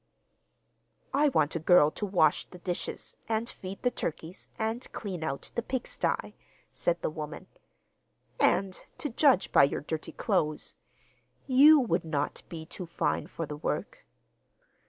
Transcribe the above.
'I want a girl to wash the dishes and feed the turkeys, and clean out the pig sty,' said the w omen, 'and, to judge by your dirty clothes, you would not be too fine for the work.